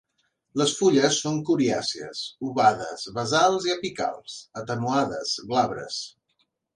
Les fulles són coriàcies, ovades, basals i apicals atenuades, glabres.